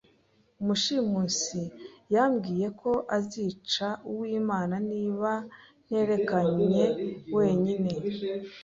Umushimusi yambwiye ko azica Uwimana niba nterekanye wenyine.